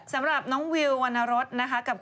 สำหรับน้องวิววรรณรสนะคะ